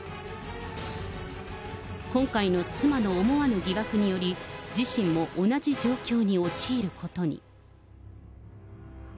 今回の妻の思わぬ疑惑により、自身も同じ状況に陥ることに。